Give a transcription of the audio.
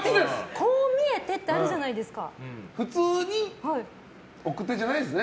こう見えてって普通に奥手じゃないですね。